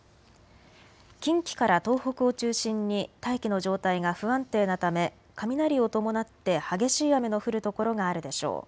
近畿から東北を中心に大気の状態が不安定なため雷を伴って激しい雨の降る所があるでしょう。